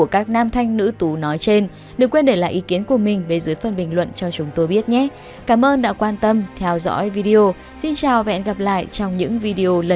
cảm ơn các bạn đã theo dõi và hẹn gặp lại